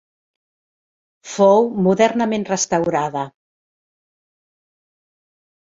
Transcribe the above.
Fou modernament restaurada.